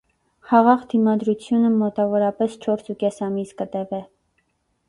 Խաղաղ դիմադրութիւնը մօտաւորապէս չորս ու կէս ամիս կը տեւէ։